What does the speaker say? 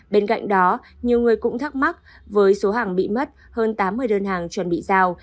bên cạnh đó nhiều người cũng thắc mắc với số hàng bị mất hơn tám mươi đơn hàng chuẩn bị giao